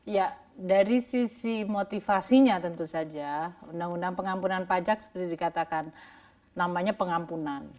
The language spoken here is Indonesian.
ya dari sisi motivasinya tentu saja undang undang pengampunan pajak seperti dikatakan namanya pengampunan